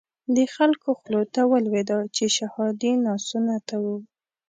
د خلکو خولو ته ولويده چې شهادي ناسنته وو.